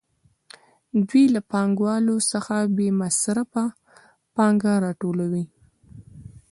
دوی له پانګوالو څخه بې مصرفه پانګه راټولوي